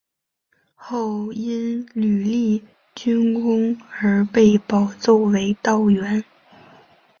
后因屡立军功而被保奏为道员。